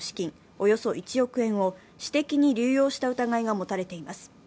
およそ１億円を私的に流用した疑いが持たれています。